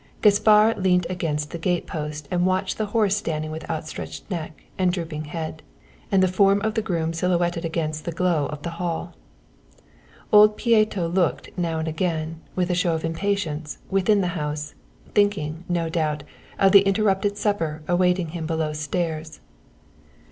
Gaspar leant against the gate post and watched the horse standing with outstretched neck and drooping head, and the form of the groom silhouetted against the glow of the hall. Old Pieto looked now and again, with a show of impatience, within the house, thinking, no doubt, of the interrupted supper awaiting him below stairs.